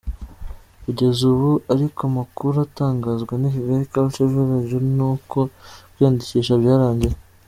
Kugeza ubu ariko amakuru atangazwa na Kigali Cultural Village ni uko kwiyandikisha byarangiye.